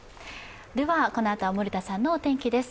このあとは森田さんのお天気です。